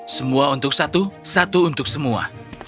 semua untuk satu satu untuk semua